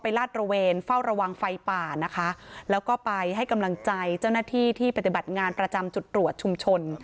ลาดระเวนเฝ้าระวังไฟป่านะคะแล้วก็ไปให้กำลังใจเจ้าหน้าที่ที่ปฏิบัติงานประจำจุดตรวจชุมชน